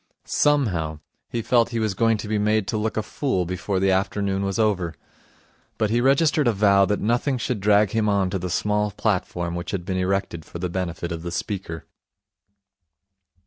Somehow, he felt he was going to be made to look a fool before the afternoon was over. But he registered a vow that nothing should drag him on to the small platform which had been erected for the benefit of the speaker.